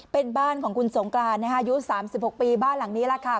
เป็นบ้านของคุณสงกรานอายุ๓๖ปีบ้านหลังนี้แหละค่ะ